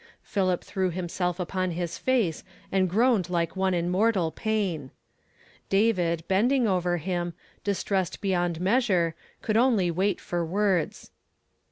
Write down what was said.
Philip threw himself upon his lace, and groaned like one in mortal pain David, bending over him, distressed beyond meas ure, could only wait for words.